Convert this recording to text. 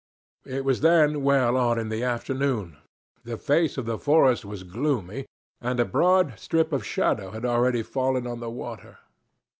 It was then well on in the afternoon, the face of the forest was gloomy, and a broad strip of shadow had already fallen on the water.